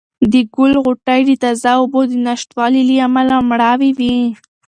د ګل غوټۍ د تازه اوبو د نشتوالي له امله مړاوې وې.